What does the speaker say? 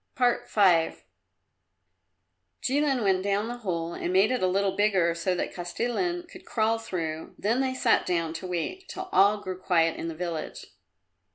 V Jilin went down the hole and made it a little bigger so that Kostilin could crawl through, then they sat down to wait till all grew quiet in the village.